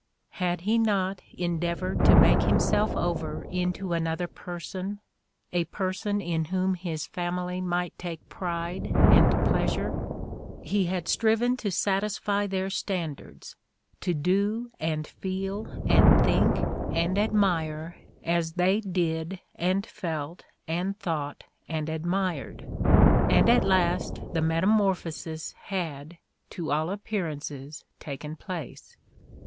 Had he not endeavored to make himself over into another person, a person in whom his family might take pride and pleasure ? He had striven to satisfy their standards, to do and feel and think and admire as they did and felt and thought and admired; and at last the metamor phosis had, to all appearances, taken place.